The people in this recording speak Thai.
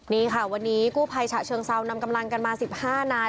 นี่ค่ะวันนี้กู้ภัยฉะเชิงเซานำกำลังกันมา๑๕นาย